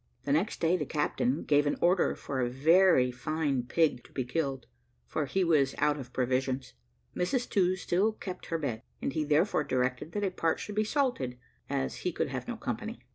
The next day the captain gave an order for a very fine pig to be killed, for he was out of provisions. Mrs To still kept her bed, and he therefore directed that a part should be salted, as he could have no company.